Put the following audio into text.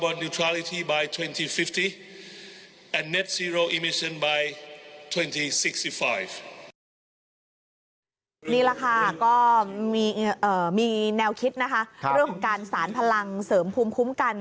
เรื่องการสารพลังเสริมภูมิคุ้มกัน